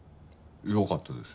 よかったです。